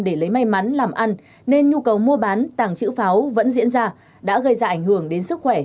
để lấy may mắn làm ăn nên nhu cầu mua bán tàng trữ pháo vẫn diễn ra đã gây ra ảnh hưởng đến sức khỏe